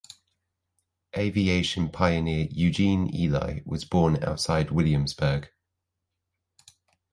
Aviation pioneer Eugene Ely was born outside Williamsburg.